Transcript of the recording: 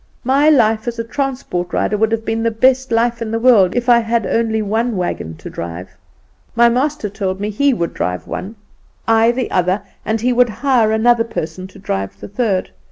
My life as transport rider would have been the best life in the world if I had had only one wagon to drive. My master told me he would drive one, I the other, and he would hire another person to drive the third.